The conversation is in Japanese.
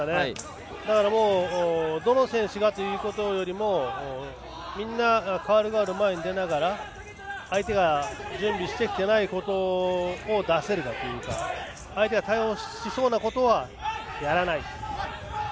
だからどの選手がということよりみんな、代わる代わる前に出ながら相手が準備してきてないことを出せるかというか相手が対応しそうなことはやらない。